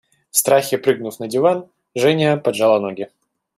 В страхе прыгнув на диван, Женя поджала ноги.